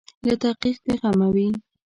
له تحقیق بې غمه وي.